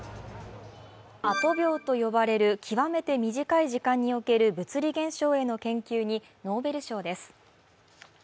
アト秒と呼ばれる極めて短い時間における物理現象への研究にノーベル賞です。